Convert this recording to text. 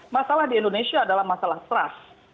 masalah di indonesia adalah masalah trust